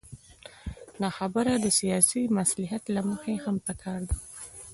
دا خبره له سیاسي مصلحت له مخې هم پکار ده.